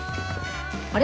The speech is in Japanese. あれ？